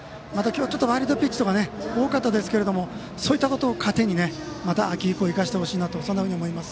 今日はワイルドピッチとか多かったですけどそういったことを糧にまた秋以降生かしてほしいと思います。